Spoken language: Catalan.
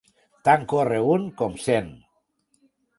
Tant corre un com cent.